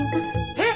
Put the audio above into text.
えっ！